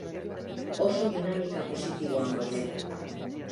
Oso dinamika positiboan gaude.